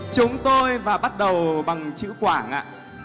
chúng tôi và bắt đầu bằng chữ quảng ạ